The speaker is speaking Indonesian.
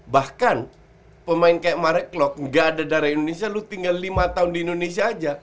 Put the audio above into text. bahkan pemain kayak marek klok gak ada darah indonesia lu tinggal lima tahun di indonesia aja